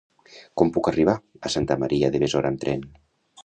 Com puc arribar a Santa Maria de Besora amb tren?